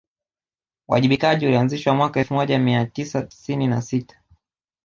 uwajibikaji ulianzishwa mwaka elfu moja mia tisa tisini na sita